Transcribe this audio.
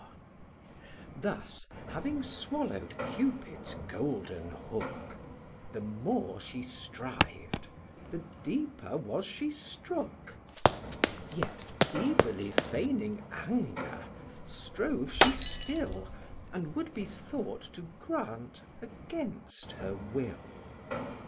Thus, having swallow'd Cupid's golden hook, The more she striv'd, the deeper was she strook: Yet, evilly feigning anger, strove she still, And would be thought to grant against her will.